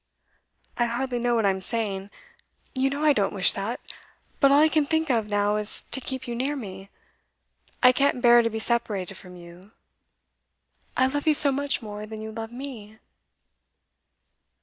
'I hardly know what I am saying. You know I don't wish that. But all I can think of now is to keep you near me. I can't bear to be separated from you. I love you so much more than you love me.